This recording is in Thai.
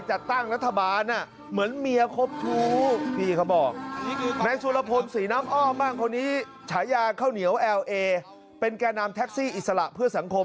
จัดตั้งรัฐบาลเหมือนเมียครบทู